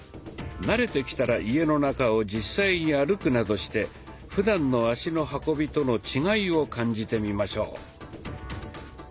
慣れてきたら家の中を実際に歩くなどしてふだんの足の運びとの違いを感じてみましょう。